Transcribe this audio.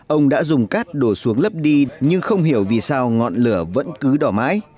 ông đã dùng cát đổ xuống lấp đi nhưng không hiểu vì sao ngọn lửa vẫn cứ đỏ mãi